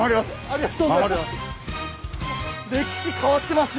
ありがとうございます。